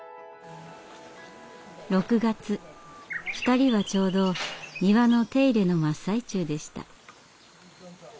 ２人はちょうど庭の手入れの真っ最中でした。